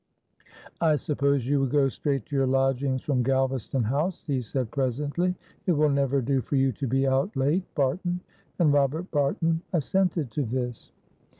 "I suppose you will go straight to your lodgings from Galvaston House," he said, presently; "it will never do for you to be out late, Barton." And Robert Barton assented to this.